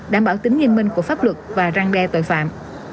đảm bảo tính nghiêm minh của pháp luật và răng đe tội phạm